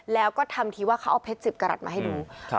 แล้วก็ทำทีว่าเขาเอาเพชรจึบกระตต์มาให้ดูครับ